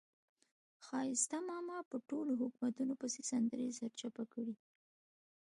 ښایسته ماما په ټولو حکومتونو پسې سندرې سرچپه کړې دي.